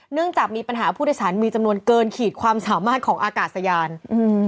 เนื่องจากมีปัญหาผู้โดยสารมีจำนวนเกินขีดความสามารถของอากาศยานอืม